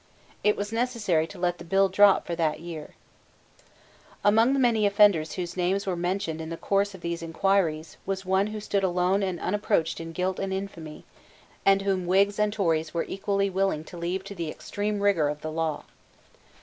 It was necessary to let the bill drop for that year, Among the many offenders whose names were mentioned in the course of these inquiries, was one who stood alone and unapproached in guilt and infamy, and whom Whigs and Tories were equally willing to leave to the extreme rigour of the law.